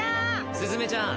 すずめちゃん。